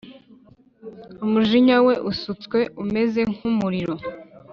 Umujinya we usutswe umeze nk’umuriro